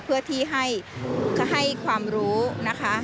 เพื่อที่ให้ความรู้นะคะ